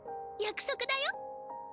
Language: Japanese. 約束だよ。